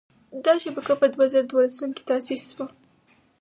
دا شبکه په دوه زره دولسم کال کې تاسیس شوه.